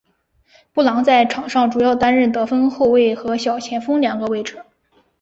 布朗在场上主要担任得分后卫和小前锋两个位置。